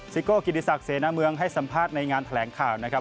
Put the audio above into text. โก้กิติศักดิ์เสนาเมืองให้สัมภาษณ์ในงานแถลงข่าวนะครับ